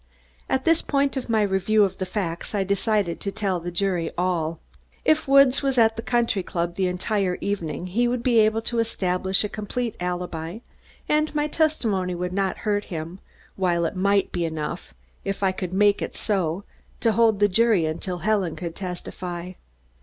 At this point of my review of the facts I decided to tell the jury all. If Woods was at the country club the entire evening he would be able to establish a complete alibi and my testimony would not hurt him, while it might be enough, if I could make it so, to hold the jury until Helen could testify.